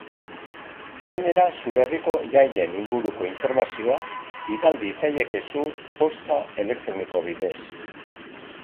Gainera, zure herriko jaien inguruko informazioa bidal diezaiekezu posta elektroniko bidez.